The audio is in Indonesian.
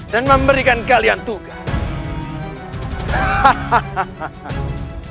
dan memberikan kalian tugas